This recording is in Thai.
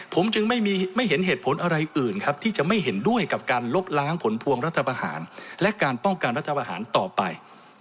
ผมจึงไม่เห็นเหตุผลอะไรอื่นครับที่จะไม่เห็นด้วยกับการลบล้างผลพวงรัฐประหารและการป้องกันรัฐประหารต่อไป